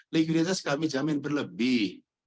likuiditas kami jamin berlebih